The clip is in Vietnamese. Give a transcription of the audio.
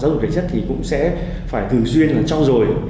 giáo dục thể chất thì cũng sẽ phải từ duyên là trao dồi